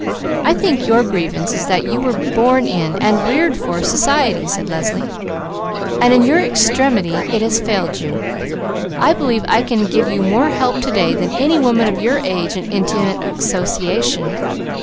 "I think your grievance is that you were born in, and reared for, society," said Leslie, "and in your extremity it has failed you. I believe I can give you more help to day than any woman of your age and intimate association."